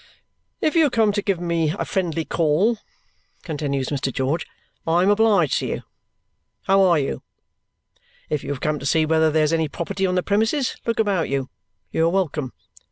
"If you have come to give me a friendly call," continues Mr. George, "I am obliged to you; how are you? If you have come to see whether there's any property on the premises, look about you; you are welcome.